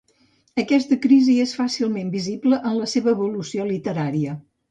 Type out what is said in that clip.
Aquesta crisi és fàcilment visible en la seva evolució literària.